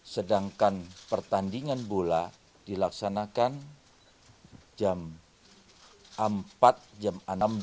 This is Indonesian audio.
sedangkan pertandingan bola dilaksanakan jam empat jam enam belas